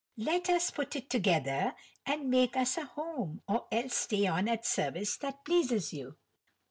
Let us put it together, and make us a home or else stay on at service as pleases you."